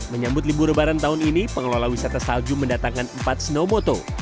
menyambut libur lebaran tahun ini pengelola wisata salju mendatangkan empat snow moto